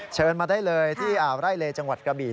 เชิญมาได้เลยที่อ่าวไร่เลจังหวัดกระบี่